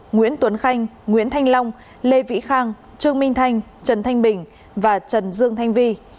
nguyễn tuấn khanh nguyễn thanh long lê vĩ khang trương minh thanh trần thanh bình và trần dương thanh vi